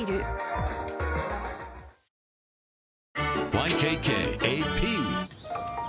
ＹＫＫＡＰ